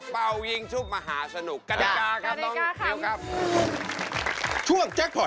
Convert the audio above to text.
เสาคำยันอาวุธิ